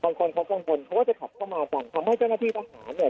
บางคนเขากังวลเขาก็จะขับเข้ามากันทำให้เจ้าหน้าที่ทหารเนี่ย